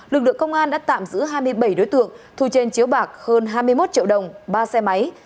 lực lượng công an đã tạm giữ hai mươi bảy đối tượng thu trên chiếu bạc hơn hai mươi một triệu đồng ba xe máy